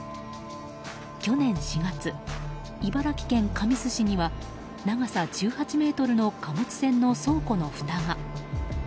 去年４月、茨城県神栖市には長さ１８ｍの貨物船の倉庫のふたが。